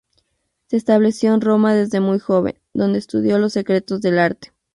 Se estableció en Roma desde muy joven, donde estudió los secretos del arte.